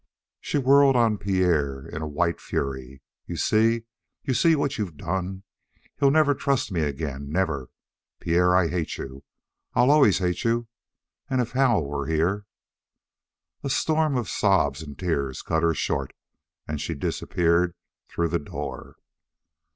She whirled on Pierre in a white fury. "You see? You see what you've done? He'll never trust me again never! Pierre, I hate you. I'll always hate you. And if Hal were here " A storm of sobs and tears cut her short, and she disappeared through the door.